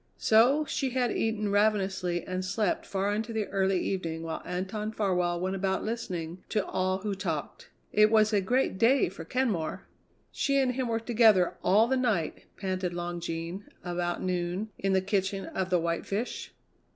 So she had eaten ravenously and slept far into the early evening while Anton Farwell went about listening to all who talked. It was a great day for Kenmore! "She and him were together all the night," panted Long Jean, about noon, in the kitchen of the White Fish.